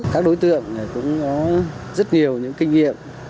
các đối tượng cũng có rất nhiều những kinh nghiệm